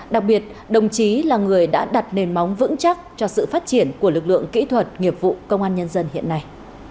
đặc biệt đồng chí là người đã đặt nền móng vững chắc cho sự phát triển của lực lượng kỹ thuật nghiệp vụ công an nhân dân hiện nay